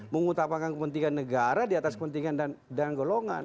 mengutamakan kepentingan negara di atas kepentingan dan golongan